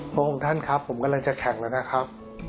พระองค์ท่านครับผมกำลังจะแข่งแล้วนะครับ